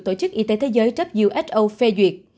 tổ chức y tế thế giới who phê duyệt